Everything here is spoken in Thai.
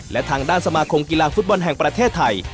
และทางด้านสมาคมกีฬาฟุตบอลแห่งประเทศไทย